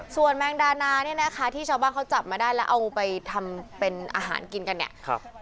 ส่วนแมงดานาเนี่ยนะคะที่ชาวบ้านเขาจับมาได้แล้วเอาไปทำเป็นอาหารกินกันเนี่ย